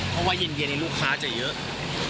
เพราะว่ายินเย็นลูกค้าจะเยอะ